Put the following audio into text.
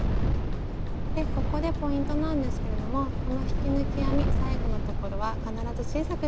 ここでポイントなんですけれどもこの引き抜き編み最後のところは必ず小さくして下さい。